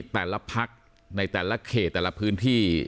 แต่ละพักในแต่ละเขตแต่ละพื้นที่